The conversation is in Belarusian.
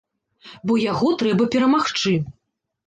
Бо яго трэба перамагчы.